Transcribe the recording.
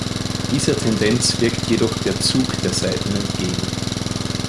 Dieser Tendenz wirkt jedoch der Zug der Saiten entgegen.